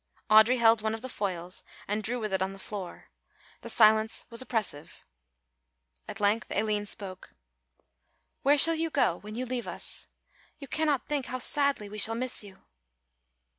Audry held one of the foils and drew with it on the floor. The silence was oppressive. At length Aline spoke. "Where shall you go, when you leave us? You cannot think how sadly we shall miss you."